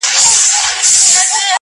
چې خلګ د ځان غلامان وویني